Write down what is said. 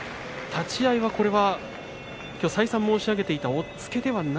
立ち合いはきょう再三申し上げていた取りにきましたね。